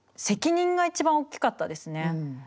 責任が一番おっきかったですね。